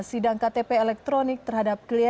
sidang ktp elektronik terhadap kliennya